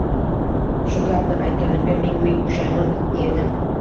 Shu gapni aytganimga ming-ming pushaymon yedim.